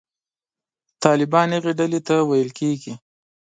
طالبان هغې ډلې ته ویل کېږي.